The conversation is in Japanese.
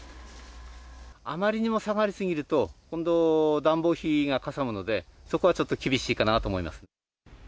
あまりにも下がり過ぎると、今度、暖房費がかさむので、そこはちょっと厳しいかなと思います。